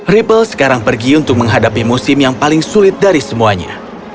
ripple sekarang pergi untuk menghadapi musim yang paling sulit dari semuanya